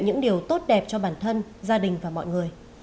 những điều tốt đẹp cho bản thân gia đình và mọi người